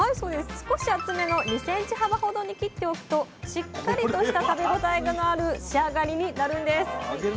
少し厚めの２ｃｍ幅ほどに切っておくとしっかりとした食べ応えのある仕上がりになるんです。